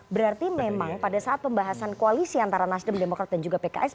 berarti memang pada saat pembahasan koalisi antara nasdem demokrat dan juga pks